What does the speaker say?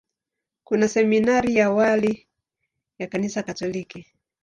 Kuna seminari ya awali ya Kanisa Katoliki.